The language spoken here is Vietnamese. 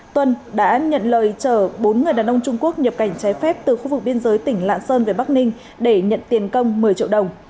tuân đã nhận lời chở bốn người đàn ông trung quốc nhập cảnh trái phép từ khu vực biên giới tỉnh lạng sơn về bắc ninh để nhận tiền công một mươi triệu đồng